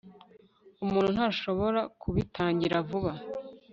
Umuntu ntashobora kubitangira vuba